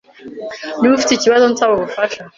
Niba ufite ikibazo, nsaba ubufasha.